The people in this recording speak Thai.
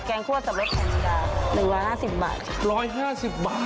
แกงคั่วจากรสแขนจิการ๑๕๐บาท